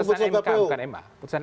putusan mk bukan ma